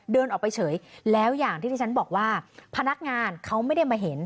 เดินออกไปเฉยแล้วอย่างที่ที่ฉันบอกว่าพนักงานเขาไม่ได้มาเห็น